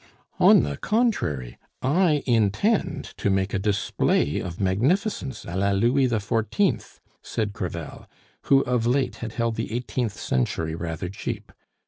"On the contrary, I intend to make a display of magnificence a la Louis XIV.," said Crevel, who of late had held the eighteenth century rather cheap.